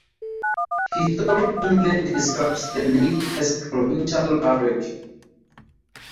Historic England describes the nave as "provincial Baroque".